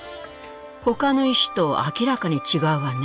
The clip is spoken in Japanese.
ほかの石と明らかに違うわね。